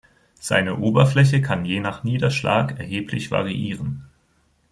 Seine Oberfläche kann je nach Niederschlag erheblich variieren.